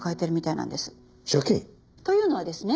借金？というのはですね